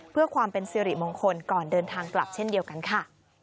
เพื่อความเป็นสิริมงคลก่อนเดินทางกลับเช่นเดียวกันค่ะ